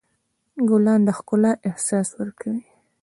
ګلان د ښکلا احساس ورکوي.